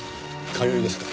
通いですか？